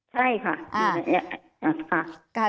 ใช่ค่ะ